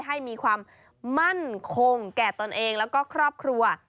ให้มีความมั่นคงแก่ตนเองแล้วก็ครอบครัว